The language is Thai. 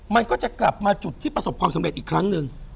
มันก็จะกลับมาจุดที่ประสบความสำเร็จอีกครั้งหนึ่ง